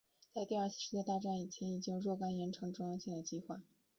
在第二次世界大战以前已经有若干延长中央线的计划。